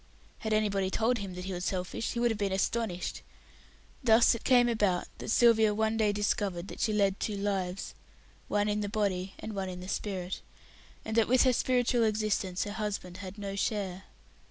Had anybody told him that he was selfish, he would have been astonished. Thus it came about that Sylvia one day discovered that she led two lives one in the body, and one in the spirit and that with her spiritual existence her husband had no share.